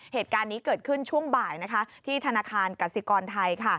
เหตุการณ์นี้เกิดขึ้นช่วงบ่ายที่ธนาคารกสิกรไทย